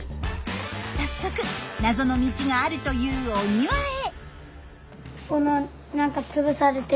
早速謎の道があるというお庭へ。